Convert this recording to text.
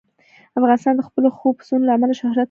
افغانستان د خپلو ښو پسونو له امله شهرت لري.